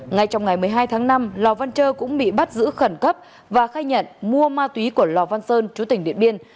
ngay trong ngày một mươi hai tháng năm lò văn trơ cũng bị bắt giữ khẩn cấp và khai nhận mua ma túy của lò văn sơn chú tỉnh điện biên